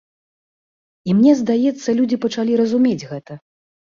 І мне здаецца, людзі пачалі разумець гэта.